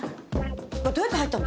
これどうやって入ったの？